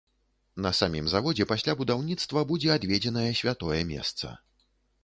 На самім заводзе пасля будаўніцтва будзе адведзенае святое месца.